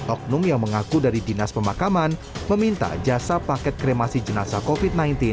oknum yang mengaku dari dinas pemakaman meminta jasa paket kremasi jenazah covid sembilan belas